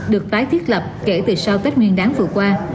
được tái thiết lập kể từ sau tết nguyên đáng vừa qua